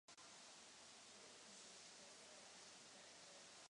Veřejně a politicky se angažoval.